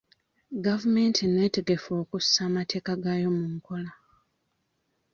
Gavumenti nneetegefu okussa amateeka gaayo mu nkola.